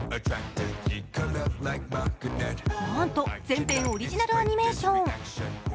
なんと全編オリジナルアニメーション。